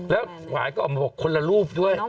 แล้วขวานก็ออกมาบอกคนละรูปด้วย